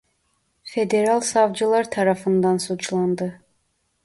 Federal savcılar tarafından suçlandı.